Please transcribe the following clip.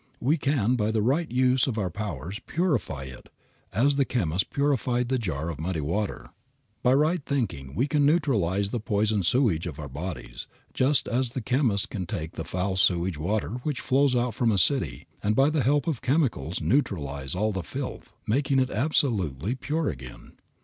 We can by the right use of our powers purify it as the chemist purified the jar of muddy water. By right thinking we can neutralize the poison sewage of our bodies, just as chemists can take the foul sewage water which flows out from a city and by the help of chemicals neutralize all the filth, making it absolutely pure again.